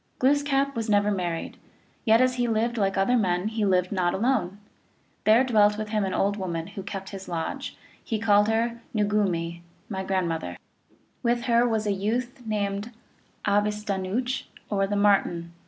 Glooskap was never married, yet as he lived like other men he lived not alone. There dwelt with him an old woman, who kept his lodge; he called her Noogumee, " my grandmother." (Micmac.) With her was a youth named Abistanaooch, or the Martin.